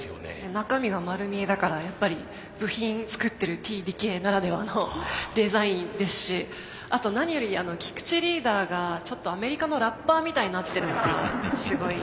中身が丸見えだからやっぱり部品作ってるＴ・ＤＫならではのデザインですしあと何より菊池リーダーがちょっとアメリカのラッパーみたいになってるのがすごい